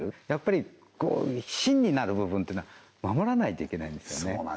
やっぱり芯になる部分というのは守らないといけないんですよね